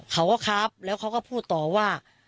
เขาก็ครับแล้วเขาก็พูดต่อว่า